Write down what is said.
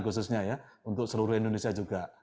khususnya ya untuk seluruh indonesia juga